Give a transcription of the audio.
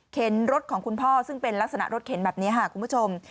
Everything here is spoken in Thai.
รถของคุณพ่อซึ่งเป็นลักษณะรถเข็นแบบนี้ค่ะคุณผู้ชม